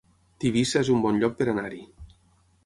Tivissa es un bon lloc per anar-hi